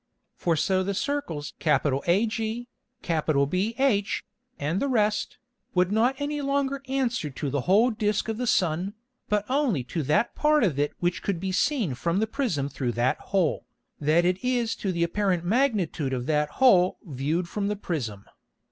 For so the Circles AG, BH, and the rest, would not any longer answer to the whole Disque of the Sun, but only to that Part of it which could be seen from the Prism through that Hole, that it is to the apparent Magnitude of that Hole view'd from the Prism.